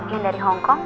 yang dari hongkong